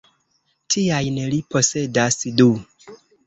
Tiajn li posedas du.